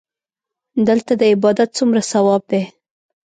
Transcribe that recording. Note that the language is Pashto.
دلته د عبادت څومره ثواب دی.